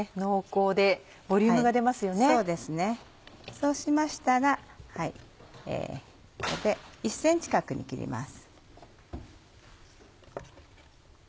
そうしましたら１ｃｍ角に切ります。